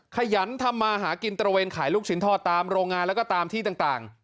ขยันทำมาหากินตระเวนขายลูกชิ้นทอดตามโรงงานแล้วก็ตามที่ต่าง